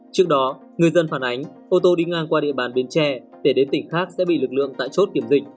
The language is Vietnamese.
trước đó người dân phản ánh ô tô đi ngang qua địa bàn bến tre để đến tỉnh khác sẽ bị lực lượng tại chốt kiểm dịch